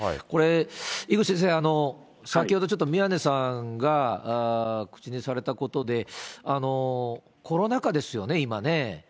これ、井口先生、先ほどちょっと宮根さんが口にされたことで、コロナ禍ですよね、今ね。